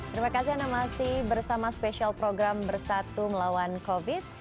terima kasih anda masih bersama special program bersatu melawan covid sembilan belas